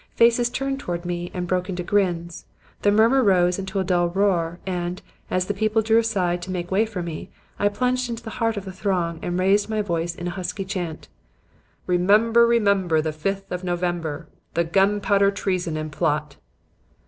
Faces turned towards me and broke into grins; the murmur rose into a dull roar, and, as the people drew aside to make way for me, I plunged into the heart of the throng and raised my voice in a husky chant: "'Remember, remember the Fifth of November, The Gunpowder Treason and Plot.'